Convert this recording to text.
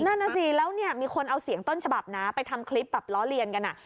นั่นน่ะสิแล้วเนี่ยมีคนเอาเสียงต้นฉบับนะไปทำคลิปแบบล้อเลียนกัน